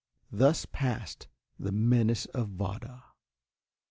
Thus passed the menace of Vada.